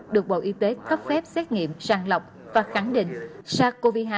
được bộ y tế cấp phép xét nghiệm sàng lọc và khẳng định sars cov hai